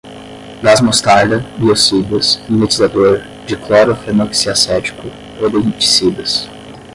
gás mostarda, biocidas, mimetizador, diclorofenoxiacético, rodenticidas